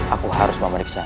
aku harus memeriksa